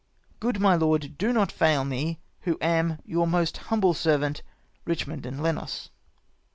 " Good, my lord, do not fail me, who am, " Your most humble servant, " EiCHMOND and Lenos.